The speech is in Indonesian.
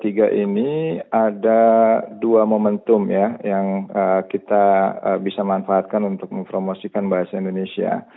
di tahun dua ribu dua puluh tiga ini ada dua momentum yang kita bisa manfaatkan untuk mempromosikan bahasa indonesia